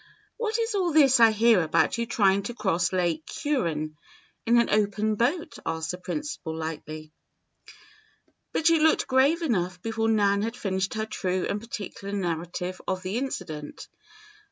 "What is all this I hear about your trying to cross Lake Huron in an open boat?" asked the principal, lightly. But she looked grave enough before Nan had finished her true and particular narrative of the incident. Dr.